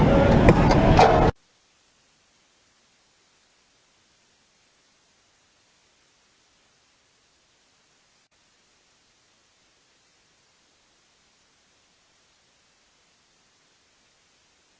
เมื่อเวลาอันดับสุดท้ายมันกลายเป็นภูมิที่สุดท้าย